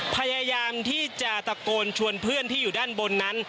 พยายามที่จะตะโกนชวนเพื่อนที่อยู่ด้านบนนั้น